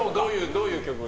どういう曲を？